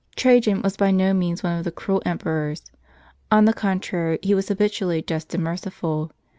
Trajan was by no means one of the cruel emperors; on the contrary, he was habitually just and merciful.